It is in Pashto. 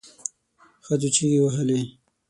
ښځو چیغې وهلې.